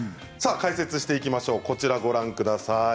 解説していきましょう。